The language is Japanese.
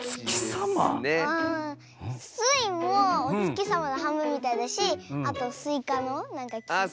スイもおつきさまのはんぶんみたいだしあとスイカのきったかんじ。